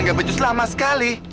gak becus lama sekali